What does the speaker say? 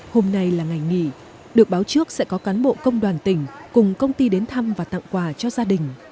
hôm nay là ngày nghỉ được báo trước sẽ có cán bộ công đoàn tỉnh cùng công ty đến thăm và tặng quà cho gia đình